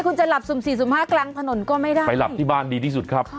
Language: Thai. คุณจะหลับสุ่มสี่สุ่มห้ากลางถนนก็ไม่ได้ไปหลับที่บ้านดีที่สุดครับ